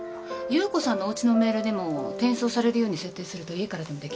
侑子さんのおうちのメールにも転送されるように設定すると家からでもできるよ。